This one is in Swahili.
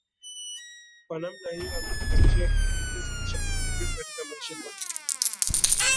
Kwa namna hiyo ametuachia kielelezo cha utakatifu katika maisha ya familia